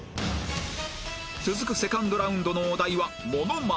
続くセカンドラウンドのお題はモノマネ